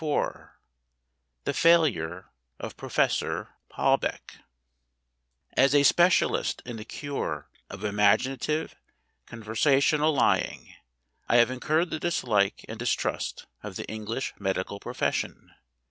IV THE FAILURE OF PROFESSOR PALBECK AS a specialist in the cure of imaginative, conver sational lying, I have incurred the dislike and distrust of the English medical profession.